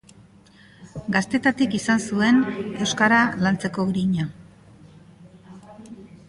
Gaztetatik izan zuen euskara lantzeko grina.